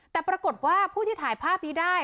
แต่ปรากฏว่าผู้ที่ถ่ายภาพนี้ได้